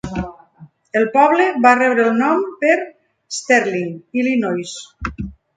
El poble va rebre el nom per Sterling, Illinois.